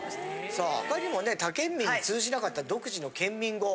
さあ他にもね他県民に通じなかった独自のケンミン語。